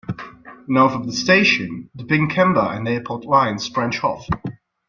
North of the station, the Pinkenba and Airport lines branch off.